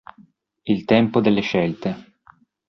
Il tempo delle scelte.